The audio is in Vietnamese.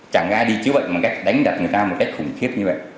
chẳng ai đi chứa bệnh mà đánh đặt người ta một cách khủng khiếp như vậy